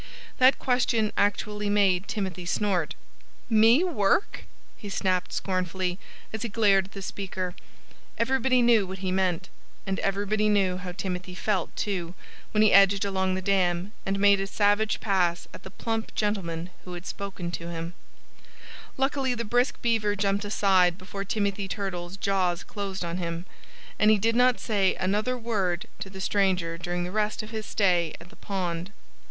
That question actually made Timothy snort. "Me work?" he snapped scornfully, as he glared at the speaker. Everybody knew what he meant. And everybody knew how Timothy felt, too, when he edged along the dam and made a savage pass at the plump gentleman who had spoken to him. [Illustration: Timothy began to climb the steep bluff.] Luckily the brisk Beaver jumped aside before Timothy Turtle's jaws closed on him. And he did not say another word to the stranger during the rest of his stay at the pond.